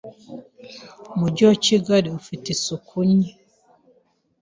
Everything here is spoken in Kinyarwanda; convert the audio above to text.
Umujyi wa Kigali ufite isuku nye